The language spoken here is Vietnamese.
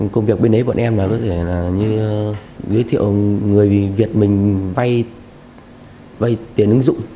công việc bên đấy bọn em là giới thiệu người việt mình vay tiền ứng dụng